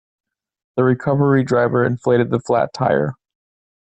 The recovery driver inflated the flat tire.